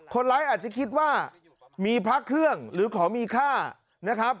คนร้ายอาจจะคิดว่ามีพระเครื่องหรือขอมีค่า